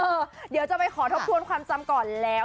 เดี๋ยวจะไปขอทบทวนความจำก่อนแล้ว